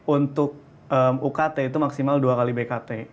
untuk ukt itu maksimal dua kali bkt